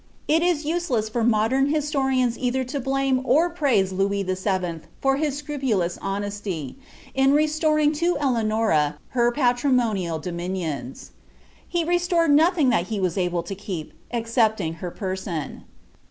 It is useless for modem hiitoritns either to blame or praise Louis VII. for his scrupulous honesty, in tt storing to Eleanoni her patrimoniBl dominions ; he restored nothing ifaM he was able to keep, excepting her person.